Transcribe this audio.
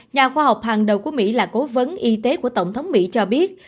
nhà khoa học hàng đầu của mỹ là cố vấn y tế của tổng thống mỹ cho biết